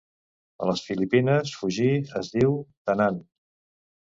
A les Filipines, 'fugir' es diu 'tanan'.